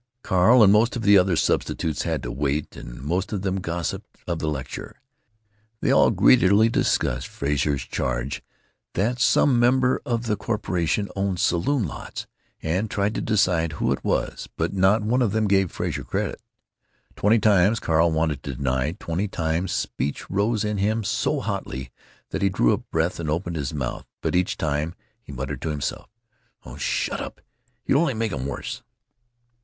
Carl and most of the other substitutes had to wait, and most of them gossiped of the lecture. They all greedily discussed Frazer's charge that some member of the corporation owned saloon lots, and tried to decide who it was, but not one of them gave Frazer credit. Twenty times Carl wanted to deny; twenty times speech rose in him so hotly that he drew a breath and opened his mouth; but each time he muttered to himself: "Oh, shut up! You'll only make 'em worse."